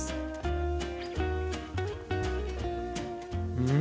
うん！